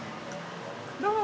どうも。